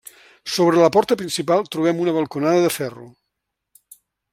Sobre la porta principal trobem una balconada de ferro.